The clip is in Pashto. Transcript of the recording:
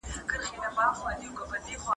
استاد به شاګرد ته خپلواکي ورکوي.